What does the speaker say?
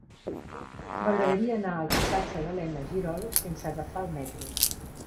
M'agradaria anar al passatge d'Elena Girol sense agafar el metro.